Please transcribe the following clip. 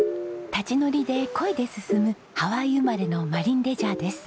立ち乗りでこいで進むハワイ生まれのマリンレジャーです。